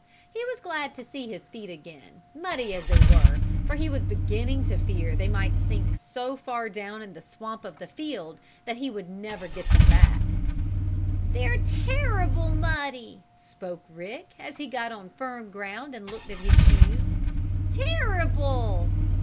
He was glad to see his feet again, muddy as they were, for he was beginning to fear they might sink so far down in the swamp of the field that he would never get them back. "They're terrible muddy!" spoke Rick as he got on firm ground and looked at his shoes. "Terrible!"